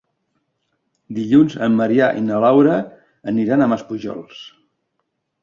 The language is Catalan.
Dilluns en Maria i na Laura aniran a Maspujols.